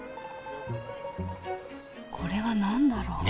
これは何だろう？ねえ